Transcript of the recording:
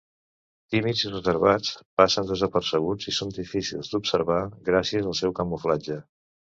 Tímids i reservats, passen desapercebuts i són difícils d'observar gràcies al seu camuflatge.